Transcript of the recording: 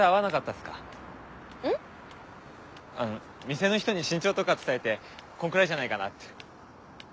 店の人に身長とか伝えてこんくらいじゃないかなって。